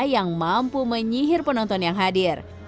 yang mampu menyihir penonton yang hadir